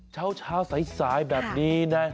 เช้าสายแบบนี้นะ